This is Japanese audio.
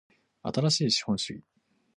新しい資本主義